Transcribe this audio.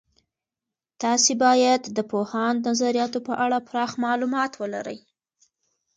تاسې باید د پوهاند نظریاتو په اړه پراخ معلومات ولرئ.